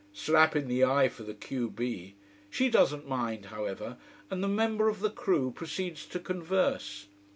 Slap in the eye for the q b! She doesn't mind, however, and the member of the crew proceeds to converse.